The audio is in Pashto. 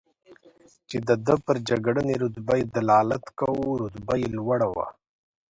چې د ده پر جګړنۍ رتبه یې دلالت کاوه، رتبه یې لوړه وه.